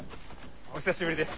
お久しぶりです。